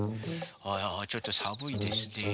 あちょっとさむいですね。